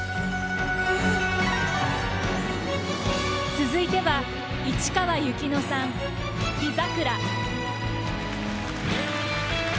続いては市川由紀乃さん「秘桜」。